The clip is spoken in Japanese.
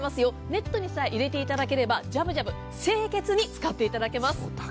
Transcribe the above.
ネットにさえ入れていただければジャブジャブ清潔に使っていただけます。